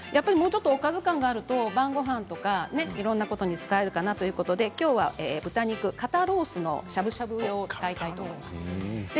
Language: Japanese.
おかず感があると晩ごはんとかいろんなものに使えるかなということで、きょうは豚肉肩ロースのしゃぶしゃぶ用を使いたいと思います。